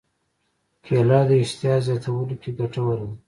کېله د اشتها زیاتولو کې ګټوره ده.